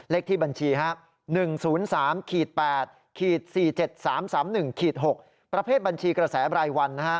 เลขที่บัญชี๑๐๓๘๔๗๓๓๑๖ประเภทบัญชีกระแสบรายวัน